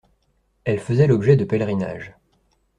Elles faisaient l'objet de pèlerinages.